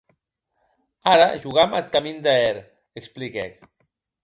Ara jogam ath camin de hèr, expliquèc.